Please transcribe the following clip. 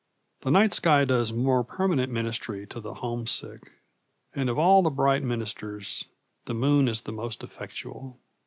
The night sky does more permanent ministry to the homesick, and of all the bright ministers the moon is the most effectual.